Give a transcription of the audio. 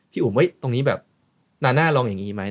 อุ๋มตรงนี้แบบนาน่าลองอย่างนี้ไหม